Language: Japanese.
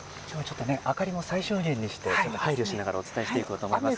明かりも最小限にしてお伝えしていこうと思います。